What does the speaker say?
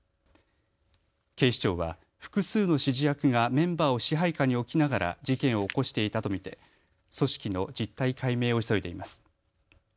警視庁は複数の指示役がメンバーを支配下に置きながら事件を起こしていたと見て組織の実態解明を急いでいます。